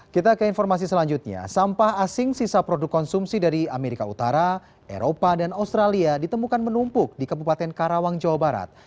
kita ke informasi selanjutnya sampah asing sisa produk konsumsi dari amerika utara eropa dan australia ditemukan menumpuk di kabupaten karawang jawa barat